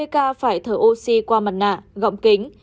hai mươi ca phải thở oxy qua mặt nạ gọng kính